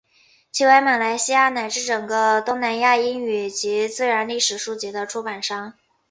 其为马来西亚乃至整个东南亚英文及自然历史书籍的出版商。